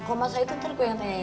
kalau masa itu ntar gue yang tanya